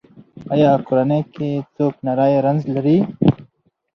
ایا کورنۍ کې څوک نری رنځ لري؟